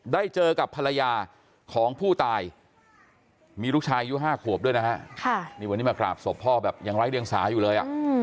ได้เจอกับภรรยาของผู้ตายมีลูกชายอายุ๕ขวบด้วยนะฮะนี่วันนี้มากราบศพพ่อแบบยังไร้เดียงสาอยู่เลย